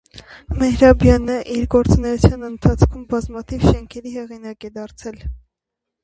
Մեհրաբյանը իր գործունեության ընթացքում բազմաթիվ շենքերի հեղինակ է դարձել։